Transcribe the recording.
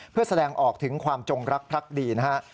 เพื่อแสดงออกถึงความจงรักพรรคดีนะครับ